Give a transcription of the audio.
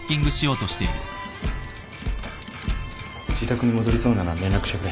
自宅に戻りそうなら連絡してくれ。